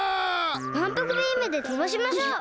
まんぷくビームでとばしましょう。